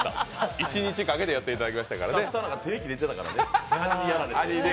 一日かけてやっていただきましたからね。